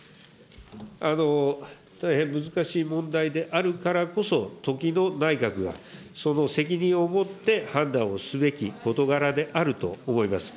大変難しい問題であるからこそ、時の内閣がその責任をもって判断をすべき事柄であると思います。